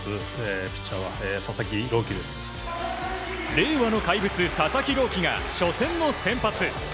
令和の怪物・佐々木朗希が初戦の先発。